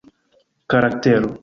karaktero